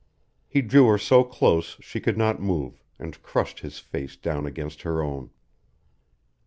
He drew her so close she could not move, and crushed his face down against her own.